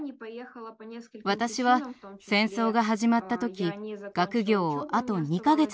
私は戦争が始まった時学業をあと２か月残していました。